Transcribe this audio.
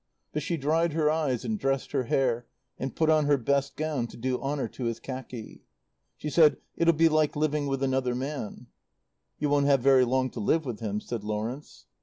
But she dried her eyes and dressed her hair, and put on her best gown to do honour to his khaki. She said, "It'll be like living with another man." "You won't have very long to live with him," said Lawrence.